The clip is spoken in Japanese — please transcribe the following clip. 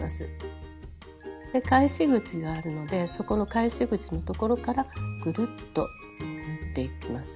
で返し口があるのでそこの返し口のところからぐるっと縫っていきます。